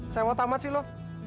seuah tamat sih lo